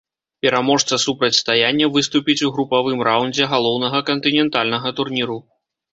Пераможца супрацьстаяння выступіць у групавым раўндзе галоўнага кантынентальнага турніру.